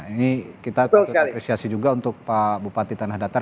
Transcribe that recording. ini kita apresiasi juga untuk pak bupati tanah datar